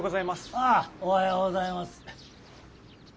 ああおはようございます。